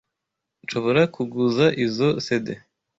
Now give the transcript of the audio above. Nshobora kuguza izoi CD?